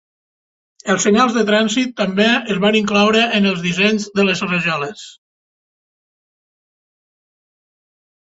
Els senyals de trànsit també es van incloure en els dissenys de les rajoles.